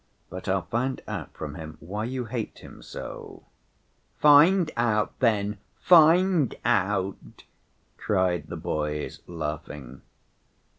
But I'll find out from him why you hate him so." "Find out then, find out," cried the boys, laughing.